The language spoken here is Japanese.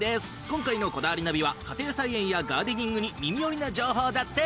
今回の『こだわりナビ』は家庭菜園やガーデニングに耳よりな情報だって。